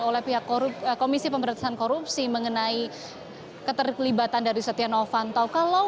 oleh pihak komisi pemberantasan korupsi mengenai keterkelibatan dari setia novanto kalau